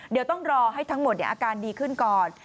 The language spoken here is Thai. เดี๋ยวต้องรอให้ทั้งหมดอาการดีขึ้นก่อน